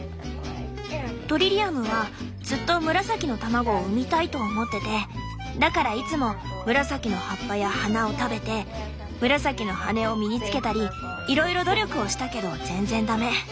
トリリアムはずっと紫の卵を産みたいと思っててだからいつも紫の葉っぱや花を食べて紫の羽を身につけたりいろいろ努力をしたけど全然ダメ。